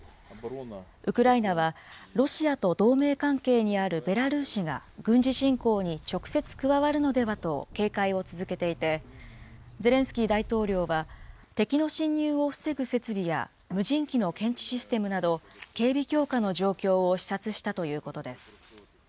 ウクライナは、ロシアと同盟関係にあるベラルーシが軍事侵攻に直接加わるのではと警戒を続けていて、ゼレンスキー大統領は、敵の侵入を防ぐ設備や、無人機の検知システムなど、警備強化の状況を視察したということです。